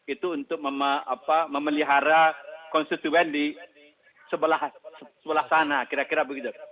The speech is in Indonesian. itu untuk memelihara konstituen di sebelah sana kira kira begitu